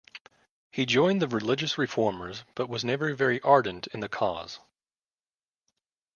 He joined the religious reformers, but was never very ardent in the cause.